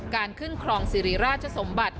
การขึ้นครองสิริราชสมบัติ